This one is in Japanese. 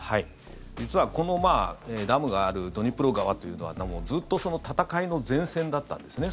実は、このダムがあるドニプロ川というのはもうずっと戦いの前線だったんですね。